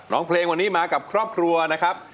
เพลงวันนี้มากับครอบครัวนะครับ